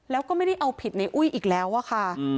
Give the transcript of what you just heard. แล้วก็ไม่ได้เอาผิดในอุ้ยอีกแล้วอะค่ะ